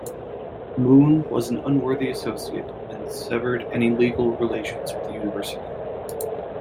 Moon was an unworthy associate and severed any legal relations with the University.